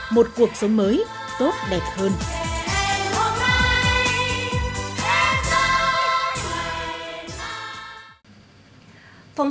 một cuộc sống mới tốt đẹp hơn